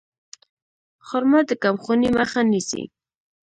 خرما د کمخونۍ مخه نیسي.